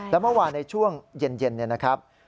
แล้วเมื่อวานในช่วงเย็นเนี่ยนะครับ